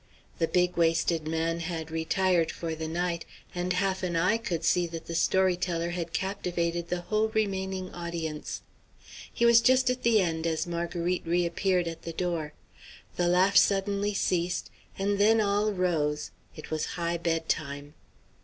The big waisted man had retired for the night, and half an eye could see that the story teller had captivated the whole remaining audience. He was just at the end as Marguerite re appeared at the door. The laugh suddenly ceased, and then all rose; it was high bedtime.